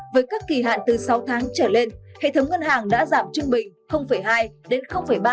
với các kỳ hạn từ sáu tháng trở lên hệ thống ngân hàng đã giảm trung bình